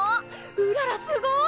うららすごい！